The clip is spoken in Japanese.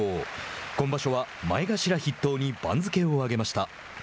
今場所は、前頭筆頭に盤付を上げました。